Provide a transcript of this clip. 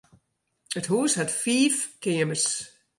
It hús hat fiif keamers.